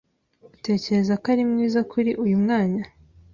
Utekereza ko ari mwiza kuri uyu mwanya?